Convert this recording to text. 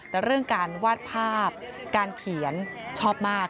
แต่เรื่องการวาดภาพการเขียนชอบมาก